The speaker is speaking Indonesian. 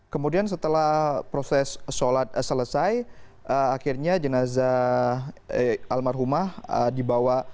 kemudian setelah proses sholat selesai akhirnya jenazah almarhumah dibawa